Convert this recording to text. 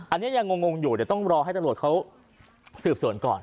อันเนี้ยยังงงอยู่เนี่ยต้องรอให้ตลอดเค้าสืบส่วนก่อน